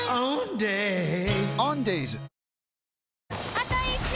あと１周！